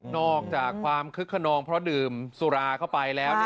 อกจากความคึกขนองเพราะดื่มสุราเข้าไปแล้ว